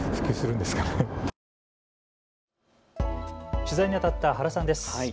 取材に当たった原さんです。